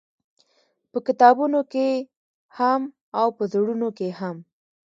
په کتابونو کښې هم او په زړونو کښې هم-